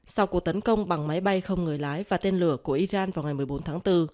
sau cuộc tấn công bằng máy bay không người lái và tên lửa của iran vào ngày một mươi bốn tháng bốn